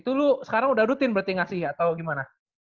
itu lu sekarang udah rutin berarti nggak sih atau gimana